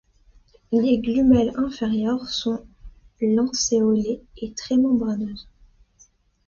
Les glumelles inférieures sont lancéolées et très membraneuses.